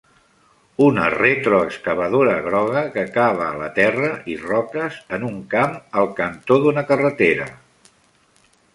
Una retroexcavadora groga que cava a la terra i roques en un camp al cantó d'una carretera.